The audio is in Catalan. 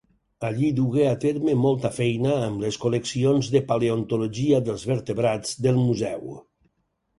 Allí dugué a terme molta feina amb les col·leccions de paleontologia dels vertebrats del museu.